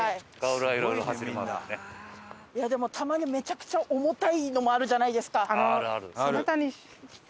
でもたまにめちゃくちゃ重たいのもあるじゃないですか。